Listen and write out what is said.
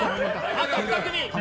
あと２組。